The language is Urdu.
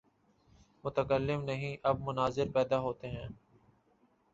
متکلم نہیں، اب مناظر پیدا ہوتے ہیں۔